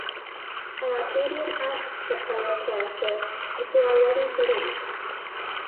An Arcadian asks the player character if they are ready to leave.